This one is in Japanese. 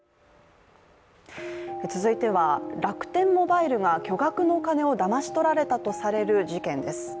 続いては、楽天モバイルが巨額の金をだまし取られたとされる事件です